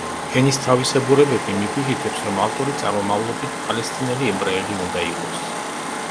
ენის თავისებურებები მიგვითითებს, რომ ავტორი წარმომავლობით პალესტინელი ებრაელი უნდა იყოს.